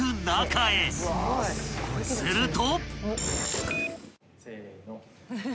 ［すると］